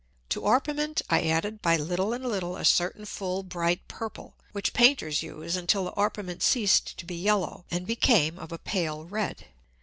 To Orpiment I added by little and little a certain full bright purple, which Painters use, until the Orpiment ceased to be yellow, and became of a pale red.